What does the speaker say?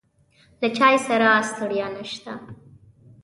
له چای سره ستړیا نشته.